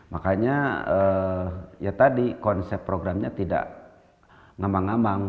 makanya ya tadi konsep programnya tidak ngambang ngambang